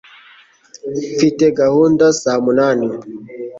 Mfite gahunda saa munani.